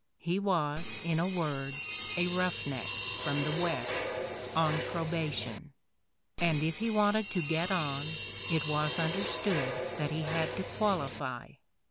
He was, in a word, a "roughneck" from the West, on probation; and if he wanted to get on, it was understood that he had to qualify.